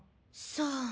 さあ。